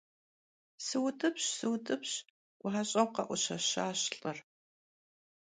Sut'ıpş, sut'ıpş, - guaş'eu khe'uşeşaş lh'ır.